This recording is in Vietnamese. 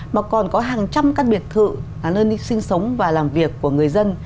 mà còn có hàng trăm các biệt thự là nơi sinh sống và làm việc của người dân